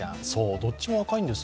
どっとも若いんです。